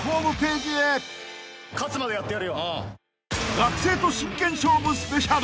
［学生と真剣勝負スペシャル！